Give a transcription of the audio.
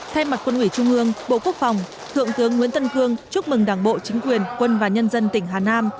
thay mặt quân ủy trung ương bộ quốc phòng thượng tướng nguyễn tân cương chúc mừng đảng bộ chính quyền quân và nhân dân tỉnh hà nam